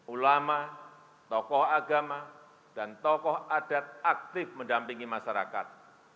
ulama tokoh agama dan tokoh adat aktif mendampingi masyarakat